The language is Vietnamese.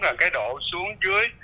và cái độ xuống dưới